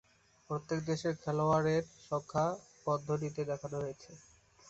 প্রত্যেক দেশের খেলোয়াড়ের সংখ্যা বন্ধনীতে দেখানো হয়েছে।